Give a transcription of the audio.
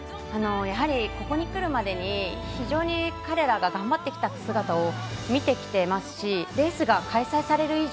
やはりここにくるまでに非常に彼らが頑張ってきた姿を見てきていますしレースが開催される